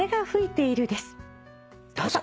どうぞ。